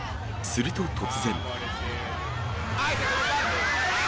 すると突然。